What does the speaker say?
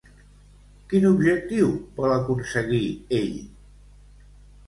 Quin objectiu vol aconseguir ell?